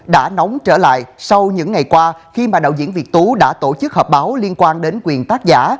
đã nóng trở lại sau những ngày qua khi mà đạo diễn việt tú đã tổ chức họp báo liên quan đến quyền tác giả